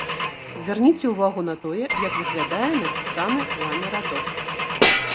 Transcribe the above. Звярніце ўвагу на тое, як выглядае напісаны вамі радок.